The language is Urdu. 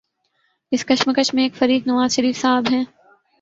اس کشمکش میں ایک فریق نوازشریف صاحب ہیں